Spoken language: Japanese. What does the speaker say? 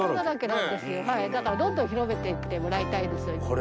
だからどんどん広めて行ってもらいたいですよ。